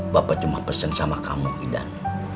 bapak cuma pesen sama kamu idan